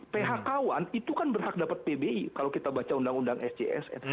phkwan itu kan berhak dapat pbi kalau kita baca undang undang sjsn